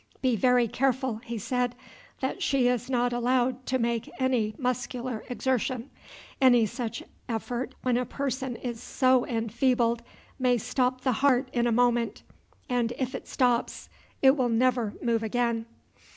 "Be very careful," he said, "that she is not allowed to make any muscular exertion. Any such effort, when a person is so enfeebled, may stop the heart in a moment; and if it stops, it will never move again."